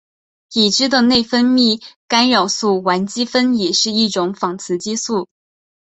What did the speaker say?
已知的内分泌干扰素烷基酚也是一种仿雌激素。